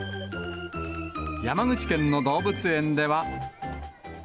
山口県の動物園では。